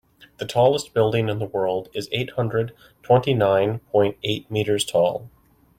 The tallest building in the world is eight hundred twenty nine point eight meters tall.